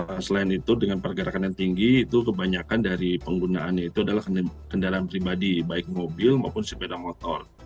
nah selain itu dengan pergerakan yang tinggi itu kebanyakan dari penggunaannya itu adalah kendaraan pribadi baik mobil maupun sepeda motor